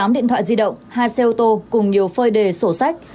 hai mươi tám điện thoại di động hai xe ô tô cùng nhiều phơi đề sổ sách